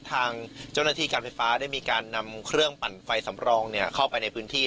ทางเจ้าหน้าที่การไฟฟ้าได้มีการนำเครื่องปั่นไฟสำรองเข้าไปในพื้นที่